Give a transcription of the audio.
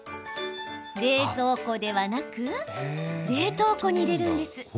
冷蔵庫ではなく冷凍庫に入れるんです。